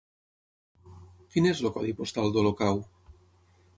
Quin és el codi postal d'Olocau?